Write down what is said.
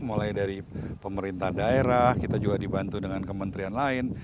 mulai dari pemerintah daerah kita juga dibantu dengan kementerian lain